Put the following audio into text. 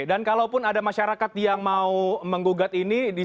dan kalaupun ada masyarakat yang mau menggugat ini